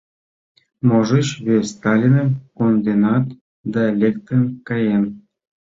— Можыч, вес Сталиным конденат да лектын каен?